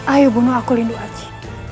ayo bunuh aku lindu aci